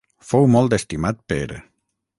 Fou molt estimat per.